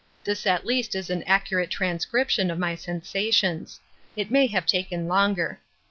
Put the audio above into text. This at least is an accurate transcription of my sensations. It may have taken longer.